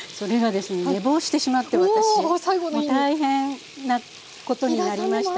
もう大変なことになりましたが。